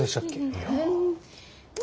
いや。